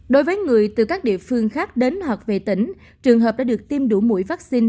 đối với người từ các địa phương khác đến hoặc về tỉnh trường hợp đã được tiêm đủ mũi vaccine